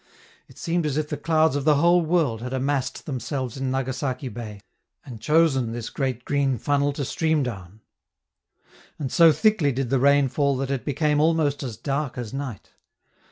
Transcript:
It seemed as if the clouds of the whole world had amassed themselves in Nagasaki Bay, and chosen this great green funnel to stream down. And so thickly did the rain fall that it became almost as dark as night.